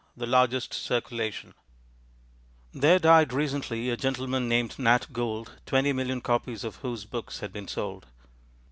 The Largest Circulation There died recently a gentleman named Nat Gould, twenty million copies of whose books had been sold.